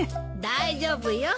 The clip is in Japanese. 大丈夫よ。